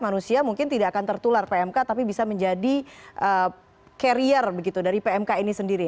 manusia mungkin tidak akan tertular pmk tapi bisa menjadi carrier begitu dari pmk ini sendiri